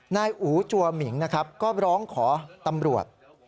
นายอู๋จัวหมิงนะครับก็ร้องขอตำรวจ